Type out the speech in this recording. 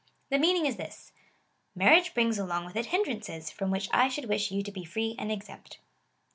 The meaning is this :" Marriage brings along with it hinderances, from which I should wish you to be free and exempt."